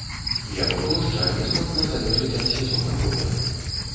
Яго плошча істотна залежыць ад сезона года.